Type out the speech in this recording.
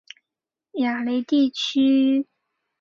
雅雷地区圣克鲁瓦人口变化图示